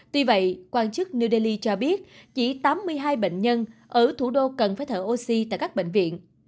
tuy vậy quan chức new delhi cho biết chỉ tám mươi hai bệnh nhân ở thủ đô cần phải thở oxy tại các bệnh viện